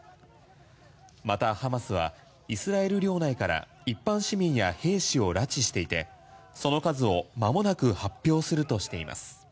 またハマスはイスラエル領内から一般市民や兵士を拉致していてその数をまもなく発表するとしています。